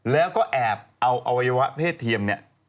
แล้วก็แอบเอาอวัยวะเพศเทียมเนี่ย